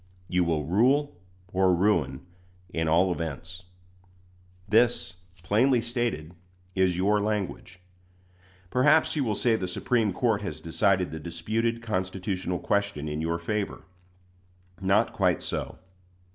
You will rule or ruin in all events. This, plainly stated, is your language. Perhaps you will say the Supreme Court has decided the disputed constitutional question in your favor. Not quite so.